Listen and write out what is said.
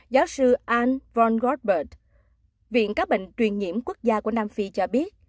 giáo sư anne von goldberg viện các bệnh truyền nhiễm quốc gia của nam phi cho biết